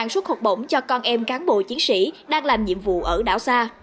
ba xuất hợp bổng cho con em cán bộ chiến sĩ đang làm nhiệm vụ ở đảo sa